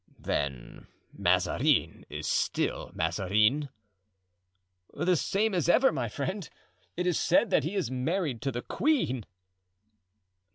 "Then Mazarin is still Mazarin?" "The same as ever, my friend; it is said that he is married to the queen."